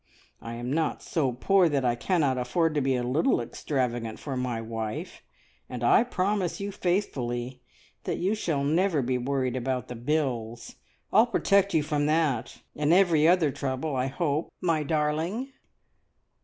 I am not so poor that I cannot afford to be a little extravagant for my wife, and I promise you faithfully that you shall never be worried about the bills. I'll protect you from that, and every other trouble, I hope, my darling!"